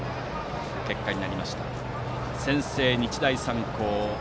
先制、日大三高。